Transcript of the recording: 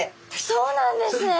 そうなんですね！